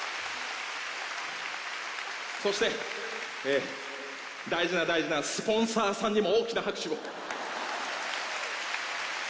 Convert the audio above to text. そして、大事な大事なスポンサーさんにも大きな拍手を。